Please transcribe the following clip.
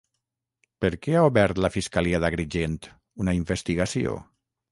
Per què ha obert la fiscalia d'Agrigent una investigació?